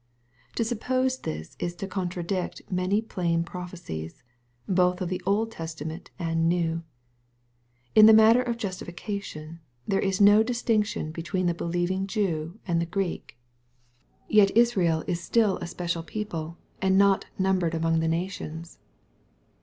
To suppose this is to contradict many plain prophecies, both of the Old Testament and New. In the matter of justification, there is no distinc tion between the believing Jew and the Greek, Yet 11* 250 EXPOSITORY THOnOHTS. Israel is still a special people, and not ^'numbered among the nations."